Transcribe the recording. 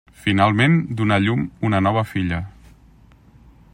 Finalment donà llum una nova filla.